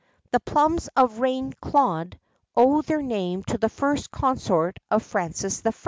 [XII 77] The plums of Reine Claude owe their name to the first consort of Francis I.